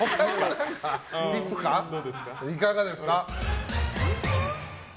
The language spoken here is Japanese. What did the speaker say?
いかがですか？